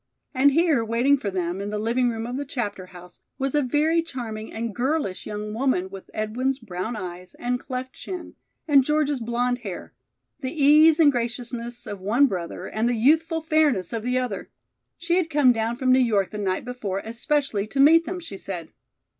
And here, waiting for them, in the living room of the Chapter House, was a very charming and girlish young woman with Edwin's brown eyes and cleft chin and George's blonde hair; the ease and graciousness of one brother and the youthful fairness of the other. She had come down from New York the night before especially to meet them, she said.